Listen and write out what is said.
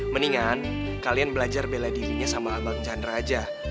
mendingan kalian belajar bela dirinya sama abang chandra aja